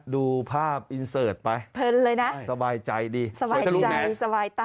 ดูภาพไปเพิ่มเลยนะสบายใจดีสบายใจสบายตาย